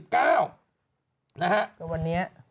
ก็วันนี้